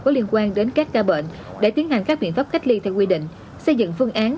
có liên quan đến các ca bệnh để tiến hành các biện pháp cách ly theo quy định xây dựng phương án